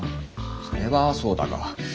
それはそうだが。